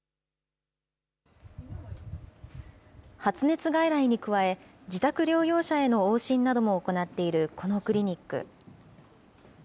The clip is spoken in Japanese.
発熱外来に加え、自宅療養者への往診なども行っている、このクリニック。